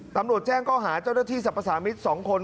ตำรวจแจ้งข้อหาเจ้าหน้าที่สรรพสามิตร๒คน